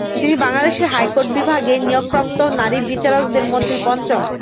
তিনি বাংলাদেশের হাইকোর্ট বিভাগে নিয়োগপ্রাপ্ত নারী বিচারকদের মধ্যে পঞ্চম।